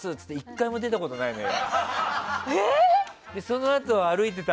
１回も出たことないのよ。